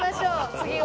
次は。